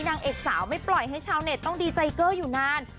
นางเอกสาวไม่ปล่อยให้ชาวเน็ตต้องดีใจเกอร์อยู่นาน